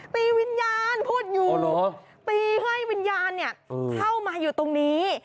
ตีวิญญาณพูดอยู่ตีให้วิญญาณเข้ามาอยู่ตรงนี้